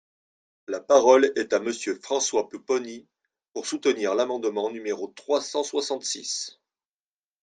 La parole est à Monsieur François Pupponi, pour soutenir l’amendement numéro trois cent soixante-six.